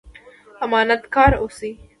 امانت کاره اوسئ